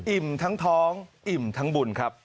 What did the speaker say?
ทั้งท้องอิ่มทั้งบุญครับ